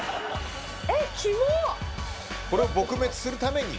これを撲滅するために。